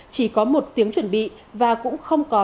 chỉ có một tiếng chuẩn bị và cũng không có